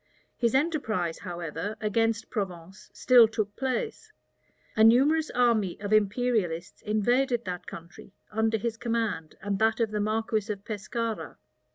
His enterprise, however, against Provence still took place. A numerous army of imperialists invaded that country, under his command and that of the marquis of Pescara.